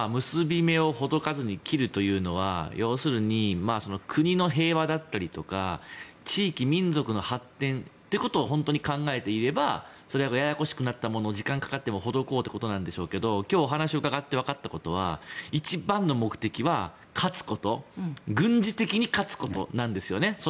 結び目をほどかずに切るというのは要するに、国の平和だったりとか地域・民族の発展っていうことを本当に考えていればそれはややこしくなったものも時間をかけてもほどこうということなんでしょうけど今日、お話を伺ってわかったことは一番の目的は勝つこと軍事的に勝つことなんですよね。